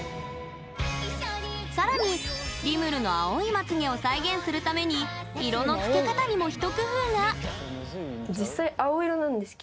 さらにリムルの青いまつげを再現するために色のつけ方にも一工夫が。